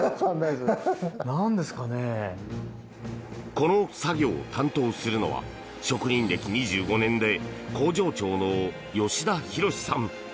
この作業を担当するのは職人歴２５年で工場長の吉田弘志さん。